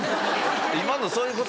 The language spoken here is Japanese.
今のそういうこと？